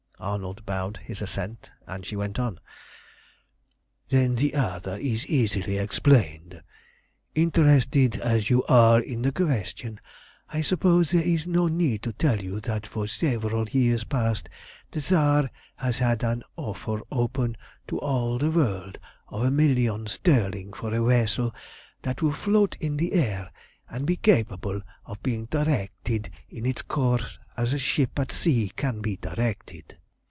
Arnold bowed his assent, and she went on "Then the other is easily explained. Interested as you are in the question, I suppose there is no need to tell you that for several years past the Tsar has had an offer open to all the world of a million sterling for a vessel that will float in the air, and be capable of being directed in its course as a ship at sea can be directed."